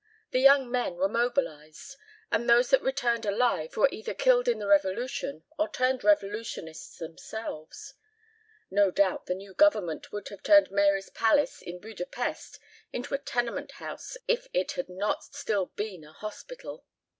The young men were mobilized and those that returned alive were either killed in the revolution or turned revolutionists themselves. No doubt the new government would have turned Mary's palace in Buda Pesth into a tenement house if it had not still been a hospital.